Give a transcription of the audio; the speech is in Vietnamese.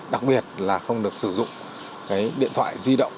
đặc biệt là không được sử dụng cái điện thoại di động